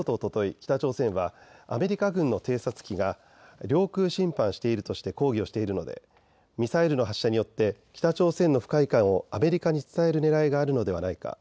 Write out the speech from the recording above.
北朝鮮はアメリカ軍の偵察機が領空侵犯しているとして抗議をしているのでミサイルの発射によって北朝鮮の不快感をアメリカに伝えるねらいがあるのではないか。